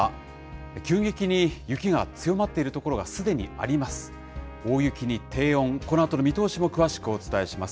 急激に雪が強まっている所がすでにあります。